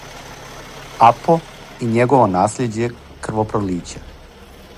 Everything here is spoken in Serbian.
"Апо" и његово наслијеđе крвопролића"